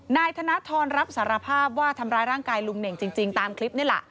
นายธนทรรับสารภาพว่าทำร้ายร่างกายลุงเน่งจริงตามคลิปนี่แหละ